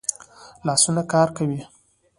لاسونه کار کوي